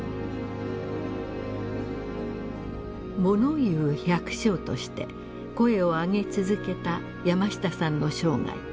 物言う百姓として声を上げ続けた山下さんの生涯。